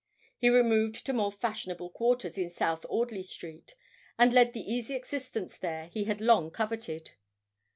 He removed to more fashionable quarters in South Audley Street, and led the easy existence there he had long coveted.